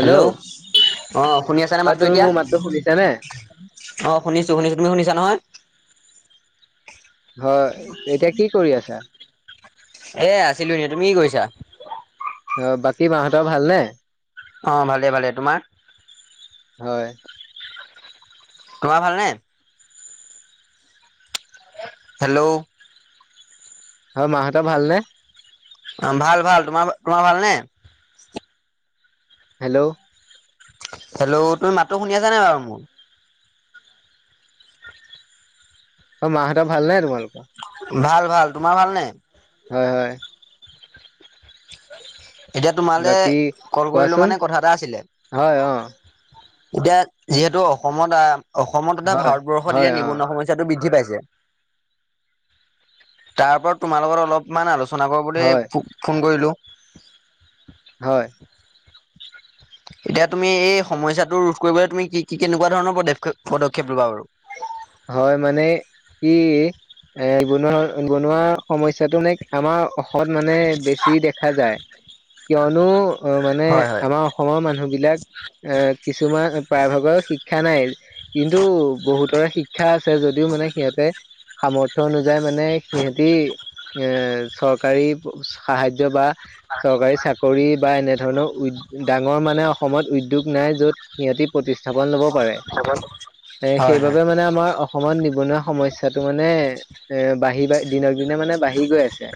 Hello অ শুনি আছানে অ মাত্ৰো তুমি এতিয়া মোৰ মাতটো শুনিছানে? অ শুনিছো শুনিছো তুমি শুনিছা নহয়? হয় এতিয়া কি কৰি আছা। এ আছিলো তুমি কি কৰিছা। [unintelligible] অ বাকী মাহতৰ ভালনে? অঁ ভালেই ভালে তোমাৰ। হয়। তোমাৰ ভালনে? হেল্ল' হয় মাহঁত ভালনে? অ ভাল ভাল তোমাৰ তোমাৰ ভাল নে? হেল্লো হেল্লো' তুমি মাতো শুনি আছা নাই বাৰু মোৰ অ মাহ এটা ভাল নাই তোমালোক উ ভাল ভাল তোমাৰ ভাল নে? হয়, হয়। হয় [unintelligible] এতিয়া তোমালে বাকী কল কৰিলো কোৱাচোন মানে কথা এটা আছিলে। হয় অ এতিয়া যিহেতু অসমত আহ। অসমত তথা হয় ভাৰতবৰ্ষত হয় এতিয়া অ নিবনুৱা সমস্যাটো বৃদ্ধি পাইছে। তাৰপৰত তোমাৰ লগত অলপমান আলোচনা। জনাব বুলি হয় ফোন কৰিলোঁ। [unintelligible] হয় এতিয়া তুমি এই সমস্যাটো ৰোধ কৰিবলৈ তুমি কি কি কেনেকুৱা ধৰণৰ পদক্ষপ পদক্ষেপ লবা বাৰু। হয় মানে কি এ বনোৱা বনোৱা সমস্যাটো তটো মানে আমাৰ। অসমত মানে বেছি দেখা যায়। কিয়নো অ মানে হয় হয় আমাৰ অসমৰ মানুহ বিলাক এ কিছুমান প্ৰায়ভাগৰ শিক্ষা নাই। কিন্তু বহুতৰে। শিক্ষা আছে যদিও মানে সিহঁতে সামৰ্থ্য অনু। যাই মানে সিহঁতি। এ চৰকাৰী সাহাৰ্য্য বা। হয়। কৰি বা এনেধৰণৰ উ ডাঙৰ মানে অসমত উদ্যোগ নাই। য'ত সিহঁতি প্ৰতিষ্ঠাপন ল'ব। পাৰে হয় হয়। সমান নিবনুৱা। সমস্যাটো মানে এ বাঢ়ি বা দিনক দিনে মানে বাঢ়ি গৈ আছে।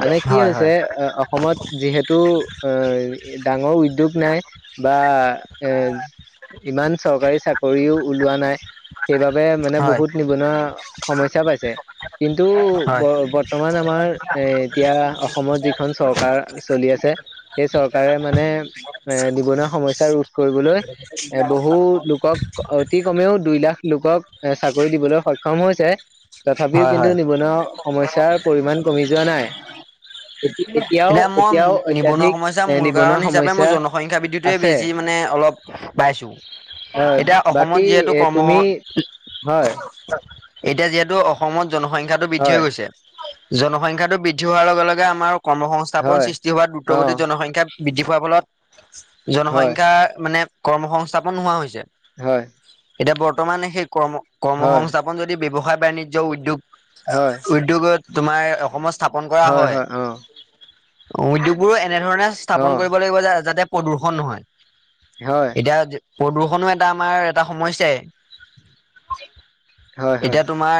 মানে কি হয় হয় হৈছে অসমত যিহেতু। তটো এ ডাঙৰ উদ্যোগ নাই বা এ ইমান চৰকাৰী চাকৰিও ওলোৱা নাই। সেইবাবে মানে হয় বহুত নিবনুৱা সমস্যা পাইছে। কিন্তু ব হয় বৰ্তমান আমাৰ এ এতিয়া অসমত যিখন চৰকাৰ। চৰকাৰ চলি আছে সেই চৰকাৰে মানে এ নিবনুৱা সমস্যা ৰোধ কৰিবলৈ। এ বহু লোকক অতি কমেও। দুই লাখ। লোকক এ চাকৰি দিবলৈ সক্ষম হৈছে। তথাপিও হয় কিন্তু হয় নিবনুৱা। সমস্যাৰ। পৰিমাণ কমি যোৱা নাই এতি- এতিয়াও এতিয়া মই এতিয়াও নিবনুৱা অত্যাধিক সমস্যা এ মূল নিবনুৱা কাৰণ হিচাপে মই সমস্যা জনসংখ্যা বৃদ্ধিটোৱে আছে বেছি মানে অলপ পাইছো হয় এতিয়া অসমত বাকী যিহেতু এ কৰ্ম। তুমি হয়। এতিয়া যিহেতু অসমত। জনসংখ্যাটো বৃদ্ধি হৈ হয় গৈছে। জনসংখ্যাটো বৃদ্ধি হোৱাৰ লগে লগে আমাৰ কৰ্মসংস্থাপন হয় সৃষ্টি হোৱা অ দ্ৰুতগতিত জনসংখ্যা বৃদ্ধি হোৱাৰ ফলত হয় জনসংখ্যা মানে কৰ্ম সংস্থাপন নোহোৱা হৈছে। হয় এতিয়া বৰ্তমান সেই কৰ্ম কৰ্ম হয় সংস্থা ব্যৱসায় বাণিজ্য উদ্যোগ। হয় উদ্যোগত তোমাৰ অসমত স্থাপন কৰা হয়। উ উদ্যোগবোৰো এ এনেধৰণে অ স্থাপন কৰিব লাগিব যাতে প্ৰদূষণ নহয়। হয় এতিয়া প্ৰদূষণো এটা আমাৰ এটা সমস্যাই হয় এতিয়া হয় তোমাৰ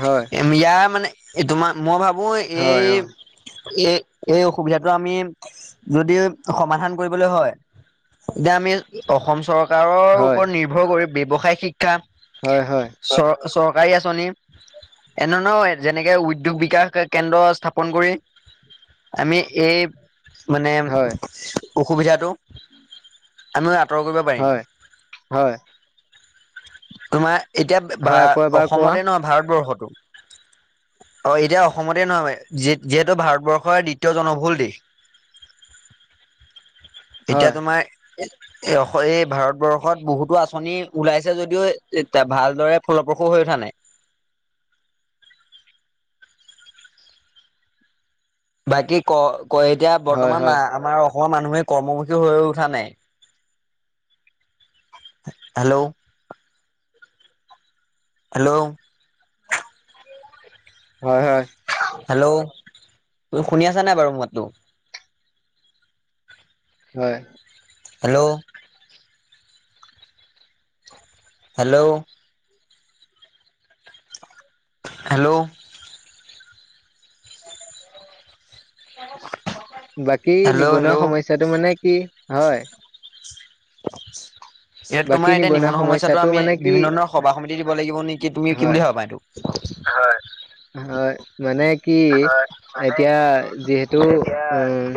হয় ইয়াৰ মানে এই তোমাৰ মই ভাবো। মই হয় অ এই এই এই অসুবিধাটো আমি যদি সমাধান কৰিবলৈ হয় তেতিয়া আমি অসম চৰ কাৰৰ হয় ওপৰত নিৰ্ভৰ কৰি ব্যৱসায়িক শিক্ষা। হয় হয় চৰ চৰকাৰী আঁচনি এনেণ যেনেকে উদ্যোগ বিকাশ কেন্দ্ৰ স্থাপন কৰি আমি এই মানে হয় অসুবিধাটো আমি আতৰ কৰিব পাৰিম হয় হয় তোমাৰ এতিয়া বা হয় আকৌ এবাৰ কোৱা অসমতে নহয় ভাৰতবৰ্ষতো অ এতিয়া অসমতে নহয় যিহেতু ভাৰতবৰ্ষৰ দ্বিতীয় জনবহুল দেশ। এতিয়া হয় তোমাৰ এ এই ভাৰতবৰ্ষত বহুতো আঁচনি ওলাইছে যদিও এতিয়া ভালদৰে ফলপ্ৰসূ হৈ উঠা নাই? বাকি ক ক এতিয়া হয় বৰ্তমান হয় আমাৰ অসমৰ মানুহে কৰ্মমুখী হৈ উঠা নাই হেল্ল' হেল্ল' হয় হয় হেল্ল' তু শুনি আছা নাই বাৰু মাতটো হয় হেল্ল' হেল্ল' হেল্ল' [unintelligible] [inaudible] বাকী হেল্ল' নিবনুৱা হেল্ল' সমস্যাটো মানে কি হয়? [unintelligible] [inaudible] এতিয়া বাকী তোমাৰ এতিয়া নিবনুৱা সমস্যাটো আমি মানে কি বিভিন্ন ধৰণৰ সভা সমিতি দিব লাগিব নেকি তুমি কি হয় বুলি ভাবা এইটো হয় হয় মানে কি এতিয়া যিহেতু উম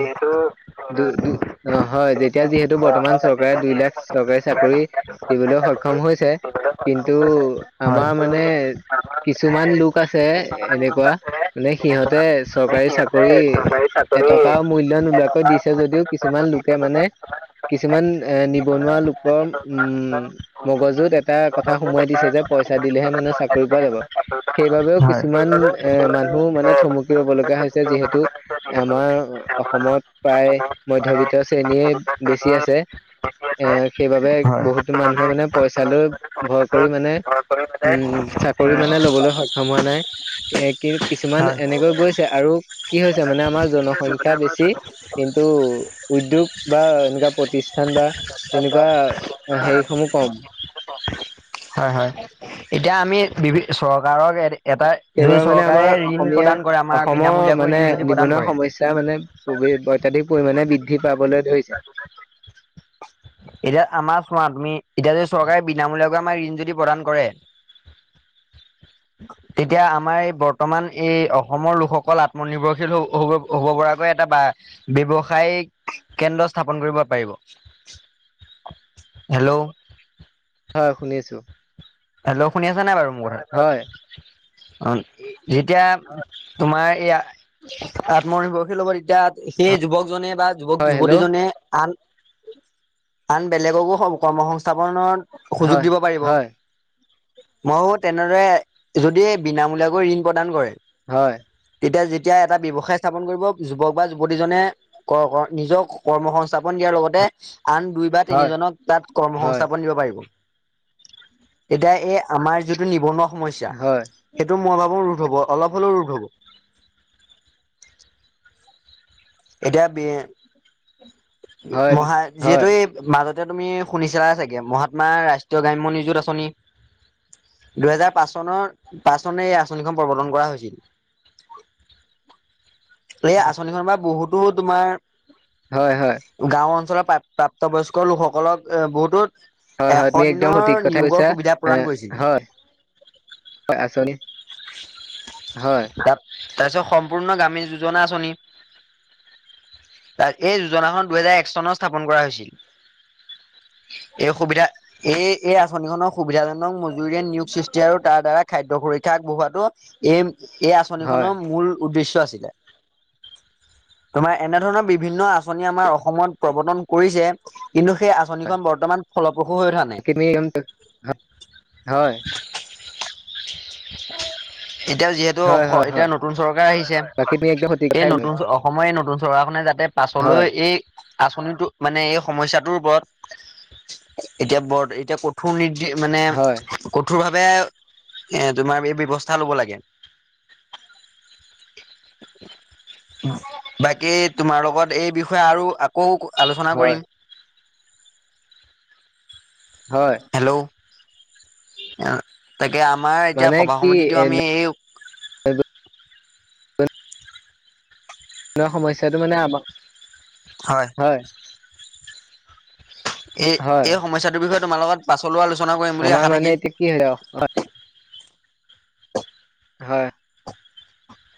দু অ হয় যেতিয়া যিহেতু বৰ্তমান চৰকাৰে দুই লাখ চৰকাৰী চাকৰি দিবলৈ সক্ষম হৈছে, কিন্তু হয় আমাৰ মানে কিছুমান লোক আছে এনেকুৱা মানে সিহঁতে চব চৰকাৰী চাকৰি এটকাও মূল্য নোলোৱাক দিছে যদিও কিছুমান লোকে মানে কিছুমান এ নিবনুৱা লোকৰ উম মগজুত এটা কথা সোমোৱাই দিছে যে পইচা দিলেহে মানে চাকৰি পোৱা যাব সেইবাবেও হয় কিছুমান এ মানুহ মানে থমকি ৰব লগা হৈছে যিহেতু আমাৰ অসমত প্ৰায় মধ্যবিত্ত শ্ৰেণীয়ে বেছি আছে এ সেইবাবে হয়। বহুত মানুহে মানে পইচা লৈ ভয় কৰি মানে উম চাকৰি মানে লবলৈ সক্ষম হোৱা নাই। এ কি কিছুমান হয়, এনেকৈ গৈছে আৰু কি হৈছে মানে আমাৰ জনসংখ্যা বেছি কিন্তু উদ্যোগ বা এনেকুৱা প্ৰতিষ্ঠান বা তেনেকুৱা হেৰিসমূহ কম হয়, হয়। এতিয়া আমি বিভি চৰকাৰক [unintelligible] যদি সেইবাৰ মানে চৰকাৰে আমাৰ ঋণ প্ৰদান কৰে অসমীয়া আমাৰ অসমৰ বিনামূলীয়াকৈ মানে ঋণ যদি প্ৰদান নিবনুৱা কৰে সমস্যা মানে [unintelligible] অত্যাধিক পৰিমাণে বৃদ্ধি পাবলৈ ধৰিছে। এতিয়া আমাৰ চোৱা তুমি এতিয়া যদি চৰকাৰে বিনামূলীয়া আমাৰ ঋণ যদি প্ৰদান কৰে। তেতিয়া আমাৰ বৰ্তমান এই অসমৰ লোকসকল আত্মনিৰ্ভৰশীল হ হব হব পৰাকৈ এটা বা ব্যৱসায়িক কেন্দ্ৰ স্থাপন কৰিব পাৰিব। হেল্ল হয় শুনিছো। হেল্লো শুনি আছা নাই বাৰু মোৰ কথা হয় অ যেতিয়া তোমাৰ এইয়া আত্মনিৰ্ভৰশীল হ'ব তেতিয়া সেই যুৱকজনে বা যুৱক হয় হেল্ল' যুৱতীজনে আন আন বেলেগকো কৰ্ম সংস্থাপনত সুযোগ হয় দিব পাৰিব। হয় মইও তেনেদৰে যদি বিনামূলীয়াকৈ ঋণ প্ৰদান কৰে হয়। তেতিয়া যেতিয়া এটা ব্যৱসায় স্থাপন কৰিব যুৱক বা যুৱতীজনে নিজক কৰ্ম সংস্থাপন দিয়াৰ লগতে আন দুই বা হয় তিনিজনক তাত কৰ্ম হয় সংস্থাপন দিব পাৰিব। এতিয়া এই আমাৰ যিটো নিবনুৱা সমস্যা। হয় সেইটো মই ভাব- ৰোধ হ'ব অলপ হ'লেও ৰোধ হ'ব। এতিয়া বি হয় মহা যিহেতু হয় এই মাজত তুমি শুনিছা চাগে মহাত্মা ৰাষ্ট্ৰীয় গ্ৰাম্যয় নিযুত আঁচনি দুহেজাৰ পাঁচ চনৰ পাঁচ চনে এই আঁচনিখন প্ৰৱৰ্তন কৰা হৈছিল। এই আঁচনিখনৰ পৰা বহুত বহু তোমাৰ হয় হয় গাঁও অঞ্চলৰ প্ৰাপ্তবয়স্ক লোকসকলক বহুতোত হয় হয় তুমি একদম সঠিক কথা কৈছা। সুবিধা প্ৰদান কৰিছিল। হয় হয় আচনি হয় তাত তাৰপিছত সম্পূৰ্ণ গ্ৰামীন যোজনা আঁচনি এই যোজনাখন দুহেজাৰ এক চনত স্থাপন কৰা হৈছিল। এই সুবিধা এই এই আঁচনিখনৰ সুবিধাজনক মজুৰিয়ে নিয়োগ সৃষ্টি আৰু তাৰ দ্বাৰা খাদ্য সুৰক্ষা আগবঢ়োৱাটো এই এই হয় আঁচনিখনৰ মূল উদ্দেশ্য আছ- চিলে তোমাৰ এনেধৰণৰ বিভিন্ন আঁচনি আমাৰ অসমত প্ৰৱৰ্তন কৰিছে। কিন্তু সেই হয় আঁচনিখন বৰ্তমান ফলপ্ৰসূ হৈ উঠা নাই। বাকী তুমি একদম হয় হয় [inaudible] এতিয়া যিহেতু হয় এতিয়া হয় নতুন চৰকাৰ আহিছে বাকী তুমি একদম সঠিক এই কথাই কলা নতু- নতুন অসমৰ এই নতুন চৰকাৰখনে যাতে পাছলৈ হয় এই আঁচনিটো মানে এই সমস্যাটোৰ ওপৰত এতিয়া বৰ এতিয়া কঠোৰ নি মানে হয় কঠোৰ ভাব এ তোমাৰ এই ব্যৱস্থা ল'ব লাগে। বাকী তোমাৰ লগত এই বিষয়ে আৰু আকৌ আলোচনা হয় কৰিম হয় অহ তাকে আমাৰ এতিয়া মানে সভা কি সমিতিটো এ আমি এই [unintelligible] সমস্যাটো মানে আমাৰ হয় এই হয় এই সমস্যাটোৰ বিষয়ে তোমাৰ লগত পাচলোৱা [unintelligible] আমাৰ মানে এতিয়া কি হয় অ হয়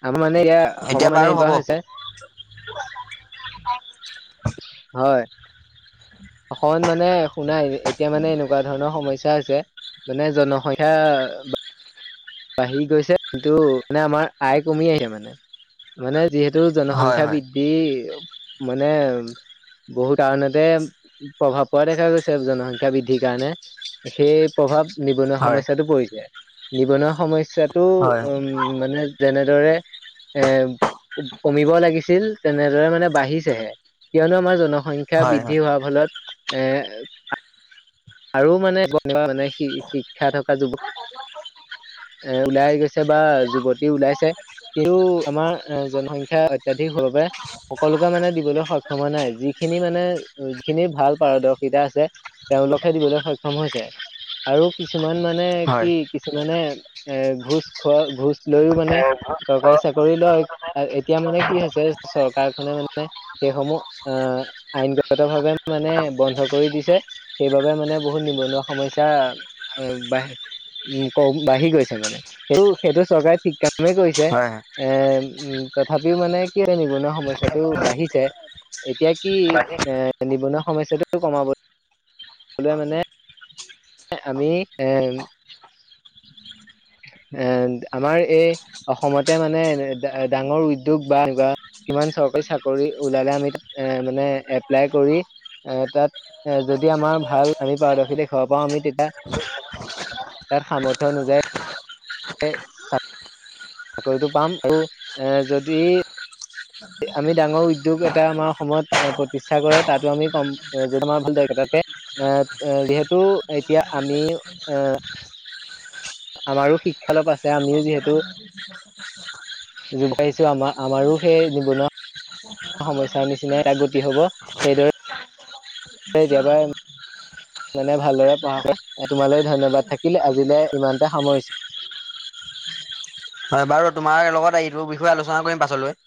আমাৰ মানে এয়া এতিয়া সময় মানে বাৰু হ'ব এনেকুৱা হৈছে [inaudible] হয় অ মানে শুনাই এতিয়া মানে এনেকুৱা ধৰণৰ সমস্যা আছে মানে জনসংখ্যা বাঢ়ি গৈছে কিন্তু মানে আমাৰ আয় কমি আহে মানে মানে যিহেতু এইটো হয় জনসংখ্যা হয় বৃদ্ধি মানে বহু কাৰণতে প্ৰভাৱ পোৱা দেখা গৈছে জনসংখ্যা বৃদ্ধিৰ কাৰণে সেই প্ৰভাৱ নিবনুৱা হয় সমস্যাটো পৰিছে নিবনুৱা সমস্যাটো হয় উম মানে যেনেদৰে এ কমিব লাগিছিল তেনেদৰে মানে বাঢ়িছেহে কিয়নো আমাৰ জন সংখ্যা হয় হয় বৃদ্ধি হোৱাৰ ফলত এ আৰু মানে নো মানে শিক্ষা থকা যুৱ এ ওলাই গৈছে বা যুৱতী ওলাইছে কিন্তু আমাৰ এ জনসংখ্যা অত্যাধিক হোৱাৰ বাবে সকলোকে মানে দিবলৈ সক্ষম হয় নাই যিখিনি মানে খিনি ভাল পাৰদৰ্শিতা আছে তেওঁলোক দিবলৈ সক্ষম হৈছে আৰু কিছুমান কিছুমান মানে হয় কি কিছুমানে। এ ঘোচ খোৱা ঘোচ লৈয়ো মানে চৰকাৰী চাকৰি লয় এতিয়া মানে কি হৈছে চৰকাৰখনে মানে সেইসমূহ অ আইনগত ভাৱে মানে বন্ধ কৰি দিছে। যে। সেইবাবে মানে বহুত নিবনুৱা সমস্যা বা উ কম বাঢ়ি গৈছে মানে সেইটো সেইটো চৰকাৰে ঠিক কাম। কামে কৰিছে হয় এ উ। তথাপিও মানে কি এটা নিবনুৱা সমস্যাটো বাঢ়িছে। এতিয়া কি এ নিবনুৱা না। সমস্যাটো কমাব। বলে মানে। আমি এ। এ আমাৰ এই অসমতে মানে ডাঙৰ উদ্যোগ বা কিমান চৰকাৰী চাকৰি ওলালে আমি তাত এ মানে এপ্লাই কৰি এ তাত এ যদি আমাৰ ভাল আমি পাৰদৰ্শী দেখুৱা পাওঁ আমি তেতিয়া তাত সামৰ্থয় অনুযায়ী। এই ছাত্ৰ। চাকৰিতটো পাম আৰু এ যদি। আমি ডাঙৰ উদ্যোগ এটা আমাৰ সময়ত এ প্ৰতিষ্ঠা কৰে তাতো আমি কম যদি আমাৰ ভালদায় তাকে এ যিহেতু এতিয়া আমি এ। আমাৰো শিক্ষালাভ আছে আমিও যিহেতু যোগাইছো আমাৰ আমাৰো সেই নিবনুৱা। সমস্যাৰ নিচিনাই গতি হব সেইদৰে কেতিয়াবা। মানে ভালদৰে পঢ়া কৰা তোমালৈ ধন্যবাদ থাকিল আজিলৈ ইমানতে সামৰিছোঁ। হয় বাৰু তোমাৰ লগত এইটো বিষয়ে আলোচনা কৰিম পাছলৈ।